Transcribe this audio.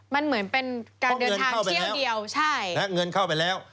มันเหมือนเป็นการเดินทางเที่ยวเดียวใช่เงินเข้าไปแล้ว